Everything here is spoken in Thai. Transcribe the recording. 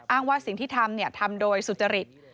ว่าสิ่งที่ทำทำโดยสุจริต